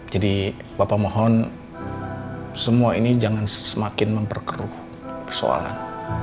jadi papa mohon semua ini jangan semakin memperkeruh persoalan